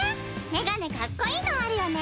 メガネかっこいいのあるよね。